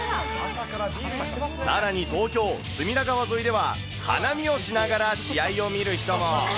さらに東京、隅田川沿いでは花見をしながら試合を見る人も。